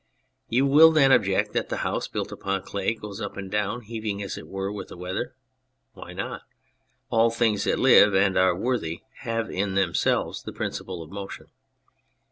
You will then object that the house built upon clay goes up and down, heaving, as it were, with the weather. Why not ? All things that live and are worthy have in themselves the principle of motion.